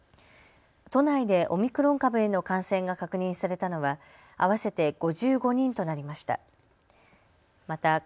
都内でオミクロン株への感染が確認されたのは合わせて５５人となりました。